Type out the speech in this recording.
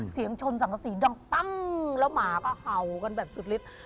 ชนสังกษีดังปั้งแล้วหมาก็เห่ากันแบบสุดลิด